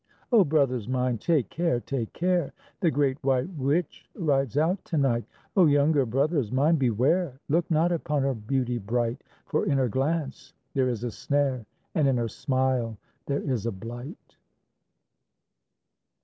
O, brothers mine, take care! Take care! The great white witch rides out to night. O, younger brothers mine, beware! Look not upon her beauty bright; For in her glance there is a snare, And in her smile there is a blight.